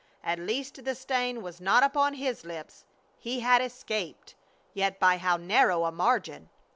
At least the stain was not upon his lips. He had escaped. Yet by how narrow a margin.